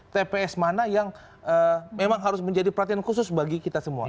tps mana yang memang harus menjadi perhatian khusus bagi kita semua